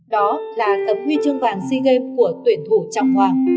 đó là tấm huy chương vàng si game của tuyển thủ trọng hoàng